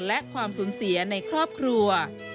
และความสูญเสียในครอบครัว